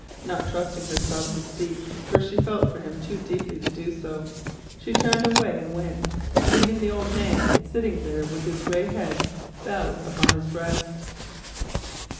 Not trusting herself to speak, for she felt for him too deeply to do so, she turned away and went, leaving the old man sitting there with his grey head bowed upon his breast.